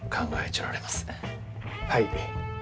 はい。